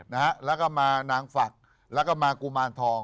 คิกคิกคิกคิกคิกคิกคิกคิกคิก